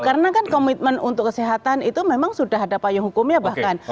karena kan komitmen untuk kesehatan itu memang sudah ada payung hukumnya bahkan